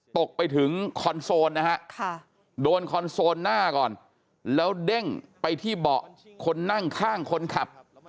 ตกไปถึงคอนโซลนะฮะโดนคอนโซลหน้าก่อนแล้วเด้งไปที่เบาะคนนั่งข้างคนขับ